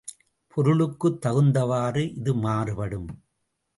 பொருளுக்குத் தகுந்தவாறு இது மாறுபடும்.